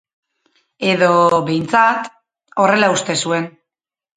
Edo, behintzat, horrela uste zuen.